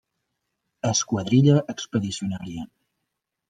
Esquadrilla Expedicionària.